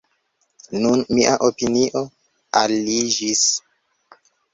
Nun mia opinio aliiĝis.